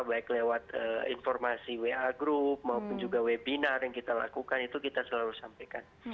baik lewat informasi wa group maupun juga webinar yang kita lakukan itu kita selalu sampaikan